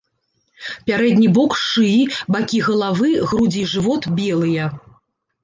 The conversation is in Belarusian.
Пярэдні бок шыі, бакі галавы, грудзі і жывот белыя.